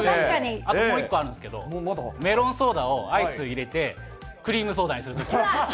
あともう１個あるんですけど、メロンソーダをアイス入れて、クリームソーダにすること。